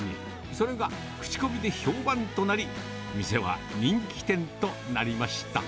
それが口コミで評判となり、店は人気店となりました。